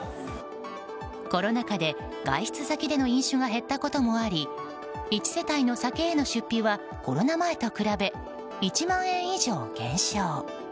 コロナ禍で外出先での飲酒が減ったこともあり１世帯の酒への出費はコロナ前と比べ１万円以上減少。